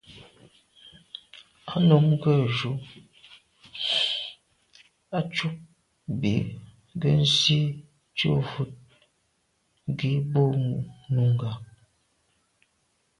Á nǔm rə̂ jû zə̄ à' cûp bí gə́ zî cû vút gí bú Nùngà.